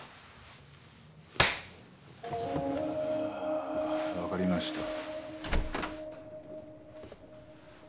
あわかりました。